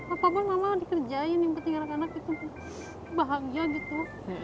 apapun mama dikerjain yang penting anak anak itu bahagia gitu